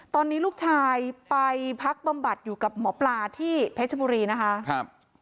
ตอนนี้ลูกชายไปพักบำบัดอยู่กับหมอปลาที่เพชรบุรีนะคะ